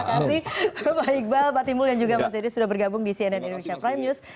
terima kasih bapak iqbal bapak timul yang juga mas dede sudah bergabung di cnn indonesia prime news